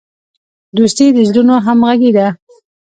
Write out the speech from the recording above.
دوستي د زړونو همغږي ده.